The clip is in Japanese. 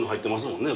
もんね